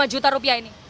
lima juta rupiah ini